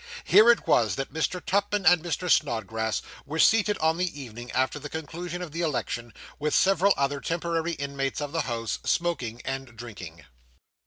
Here it was that Mr. Tupman and Mr. Snodgrass were seated on the evening after the conclusion of the election, with several other temporary inmates of the house, smoking and drinking.